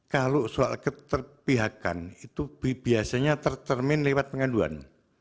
kalau soal keterpihakan itu biasanya tercermin lewat pengaduan